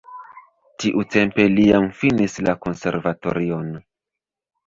Tiutempe li jam finis la konservatorion.